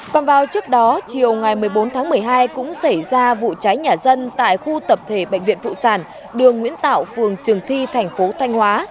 còn vào trước đó chiều ngày một mươi bốn tháng một mươi hai cũng xảy ra vụ cháy nhà dân tại khu tập thể bệnh viện phụ sản đường nguyễn tạo phường trường thi thành phố thanh hóa